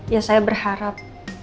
ya saya berharap